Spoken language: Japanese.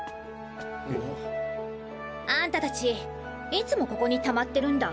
あっ。あんたたちいつもここにたまってるんだ。